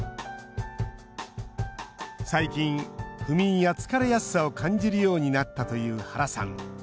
最近不眠や疲れやすさを感じるようになったという原さん。